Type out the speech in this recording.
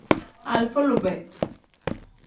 Alifa lube.